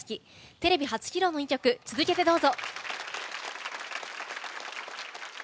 テレビ初披露の２曲続けてどうぞ。